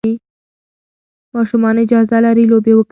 ماشومان اجازه لري لوبې وکړي.